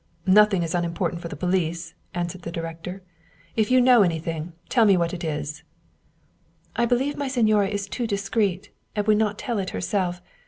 " Nothing is unimportant for the police," answered the director. " If you know anything, tell me what it is." " I believe my signora is too discreet, and would not tell it herself.